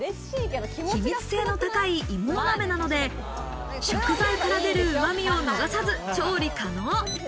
気密性の高い鋳物鍋なので食材から出るうまみを逃さず調理可能。